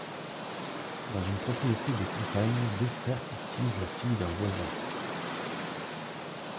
Dans une propriété de campagne, deux frères courtisent la fille d’un voisin.